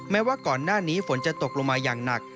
แม้ว่าก่อนหน้านี้ฝนจะตกลงมาอย่างหนัก